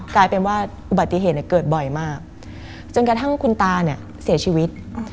กลายเป็นว่าอุบัติเหตุเกิดบ่อยมากจนกระทั่งคุณตาเนี่ยเสียชีวิต